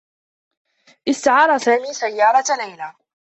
استعار سامي سيّارة ليلى.